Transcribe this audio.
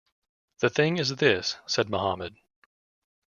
“The thing is this,” said Mohammad.